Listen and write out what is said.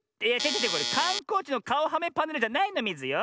これかんこうちのかおはめパネルじゃないのミズよ。